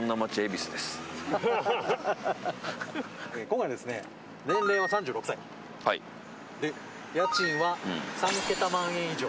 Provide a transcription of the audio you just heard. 今回、年齢は３６歳で家賃は３桁万円以上。